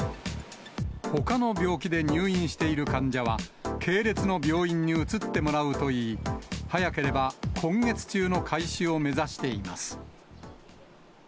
ほかの病気で入院している患者は、系列の病院に移ってもらうといい、早ければ今月中の開始を目指しています。